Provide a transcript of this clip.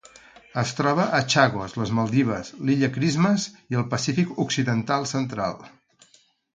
Es troba a Chagos, les Maldives, l'Illa Christmas i el Pacífic occidental central.